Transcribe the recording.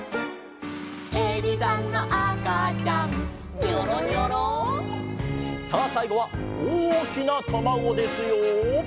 「へびさんのあかちゃんニョロニョロ」さあさいごはおおきなたまごですよ！